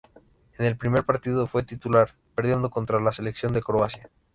En el primer partido fue titular, perdiendo contra la Selección de Croacia.